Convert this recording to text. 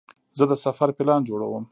زه د سفر پلان جوړوم.